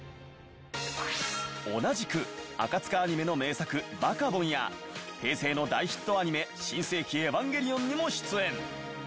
同じく赤塚アニメの名作『バカボン』や平成の大ヒットアニメ『新世紀エヴァンゲリオン』にも出演。